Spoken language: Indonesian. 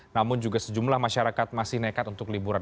namun juga sejumlah masyarakat masih nekat untuk liburan